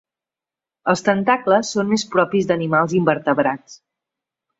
Els tentacles són més propis d'animals invertebrats.